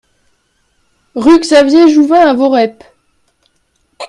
Rue Xavier Jouvin à Voreppe